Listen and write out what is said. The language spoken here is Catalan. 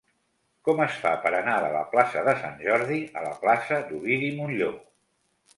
Com es fa per anar de la plaça de Sant Jordi a la plaça d'Ovidi Montllor?